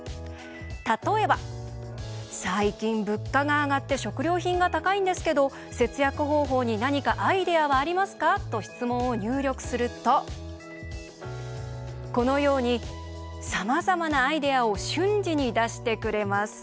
例えば「最近、物価が上がって食料品が高いんですけど節約方法に何かアイデアはありますか？」と質問を入力すると、このようにさまざまなアイデアを瞬時に出してくれます。